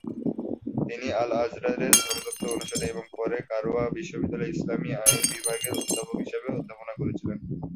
তিনি আল-আজহারের ধর্মতত্ত্ব অনুষদে এবং পরে কায়রো বিশ্ববিদ্যালয়ের ইসলামী আইন বিভাগের অধ্যাপক হিসাবে অধ্যাপনা করেছিলেন।